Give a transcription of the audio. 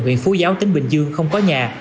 huyện phú giáo tỉnh bình dương không có nhà